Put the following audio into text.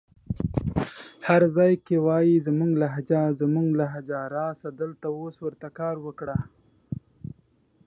هر ځای کې وايې زموږ لهجه زموږ لهجه راسه دلته اوس ورته کار وکړه